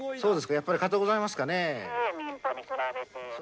やっぱりかとうございますかね。